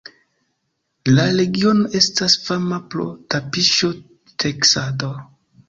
La regiono estas fama pro tapiŝo-teksado.